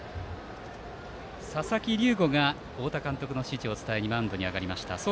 佐々木龍吾が太田監督の指示を伝えにマウンドに行きました。